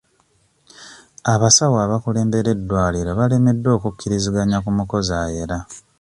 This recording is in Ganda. Abasawo abakulembera eddwaliro balemereddwa okukkiriziganya ku mukozi ayera.